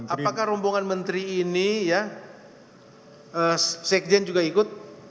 apakah rombongan menteri ini ya sekjen juga ikut